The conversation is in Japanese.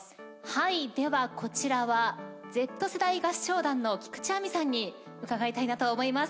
はいではこちらはＺ世代合唱団の菊地亜美さんに伺いたいなと思います。